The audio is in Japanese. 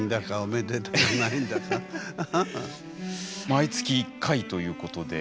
毎月１回ということで。